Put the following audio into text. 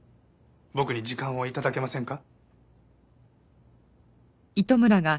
僕に時間を頂けませんか？